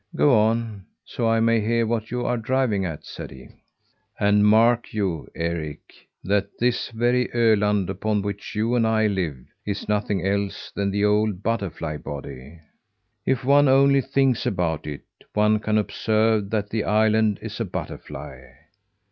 "Go on, so I may hear what you are driving at," said he. "And mark you, Eric, that this very Öland, upon which you and I live, is nothing else than the old butterfly body. If one only thinks about it, one can observe that the island is a butterfly.